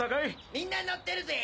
みんな乗ってるぜぇ！